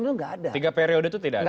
itu nggak ada tiga periode itu tidak ada